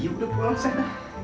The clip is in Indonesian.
yaudah pulang saja